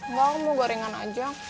nggak aku mau gorengan aja